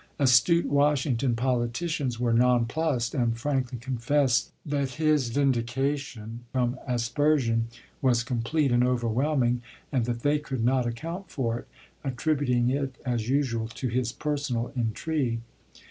As tute Washington politicians were nonplused, and frankly confessed that his vindication from asper sion was complete and overwhelming and that they could not account for it — attributing it, as usual, to his personal intrigue.